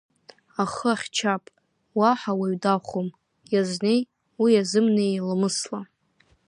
Ахы ахьчап, уаҳа уаҩ дахәом, иазнеи, уи иазымнеи ламысла…